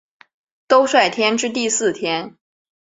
兜率天之第四天。